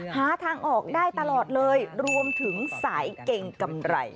หาทางออกได้ตลอดเลยรวมถึงสายเกงกำไร